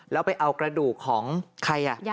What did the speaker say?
แล้วไปเอากระดูกของใคร